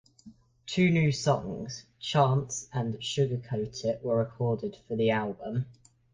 Two new songs, "Chance" and "Sugar Coat It", were recorded for the album.